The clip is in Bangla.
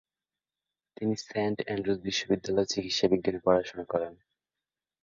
তিনি সেন্ট অ্যান্ড্রুজ বিশ্ববিদ্যালয়ে চিকিৎসাবিজ্ঞানে পড়াশোনা করেন।